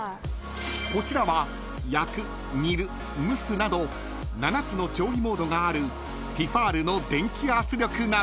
［こちらは焼く煮る蒸すなど７つの調理モードがあるＴ−ｆａｌの電気圧力鍋］